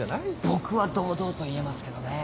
僕は堂々と言えますけどね。